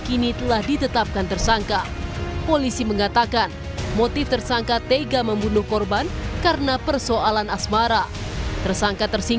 disitulah di lokasi tersebut di kalimalang